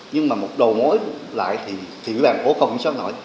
nhưng mà một đầu mối lại thì ủy ban phố không xót nổi